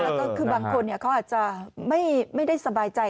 แล้วก็คือบางคนเขาอาจจะไม่ได้สบายใจ